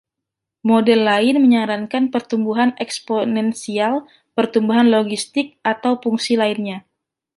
Model lain menyarankan pertumbuhan eksponensial, pertumbuhan logistik, atau fungsi lainnya.